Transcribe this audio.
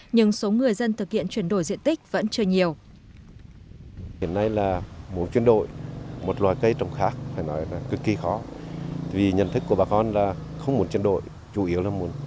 nhưng số người dân thực hiện chuyển đổi diện tích vẫn chưa nhiều